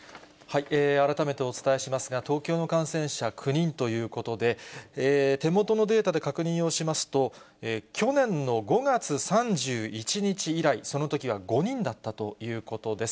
改めてお伝えしますが、東京の感染者９人ということで、手元のデータで確認をしますと、去年の５月３１日以来、そのときは５人だったということです。